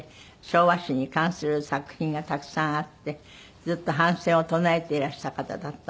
昭和史に関する作品がたくさんあってずっと反戦を唱えていらした方だったんですけども。